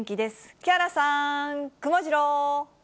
木原さん、くもジロー。